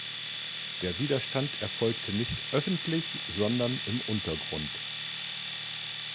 Der Widerstand erfolgte nicht öffentlich, sondern im Untergrund.